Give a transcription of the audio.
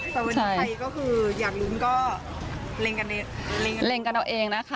แต่ว่าในไทยก็คืออยากรู้ก็เล็งกันเอาเองนะคะ